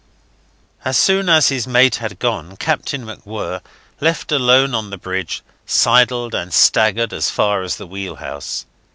... As soon as his mate had gone Captain MacWhirr, left alone on the bridge, sidled and staggered as far as the wheelhouse.